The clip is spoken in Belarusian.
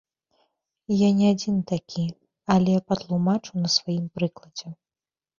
Я не адзін такі, але патлумачу на сваім прыкладзе.